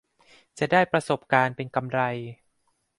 จะได้ประสบการณ์เป็นกำไร